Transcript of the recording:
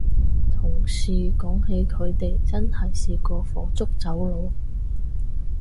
同事講起佢哋真係試過火燭走佬